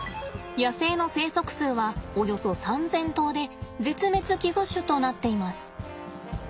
野生の生息数はおよそ３，０００頭で絶滅危惧種となっています。